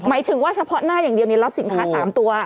หมายถึงว่าเฉพาะหน้าอย่างเดียวรับสินค้า๓ตัว